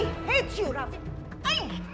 semua rencana kita gagal